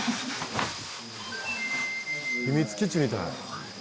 秘密基地みたい。